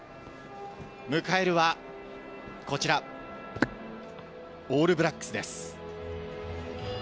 迎えるはこちら、オールブラックスです。